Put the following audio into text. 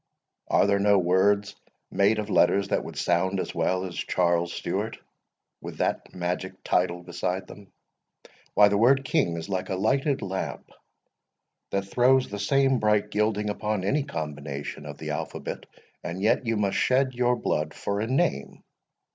are there no words made of letters that would sound as well as Charles Stewart, with that magic title beside them? Why, the word King is like a lighted lamp, that throws the same bright gilding upon any combination of the alphabet, and yet you must shed your blood for a name!